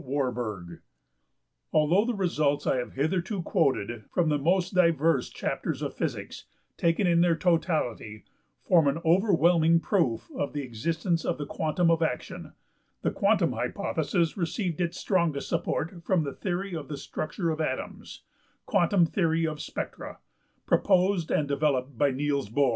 ~Warburg(34). Although the results I have hitherto quoted from the most diverse chapters of physics, taken in their totality, form an overwhelming proof of the existence of the quantum of action, the quantum hypothesis received its strongest support from the theory of the structure of atoms (Quantum Theory of Spectra) proposed and developed by Niels Bohr.